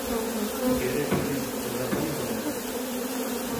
धेरै फिलिम हेर्न पनि हुदैँन ।